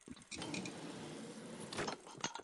三刈叶吴萸是芸香科吴茱萸属的植物。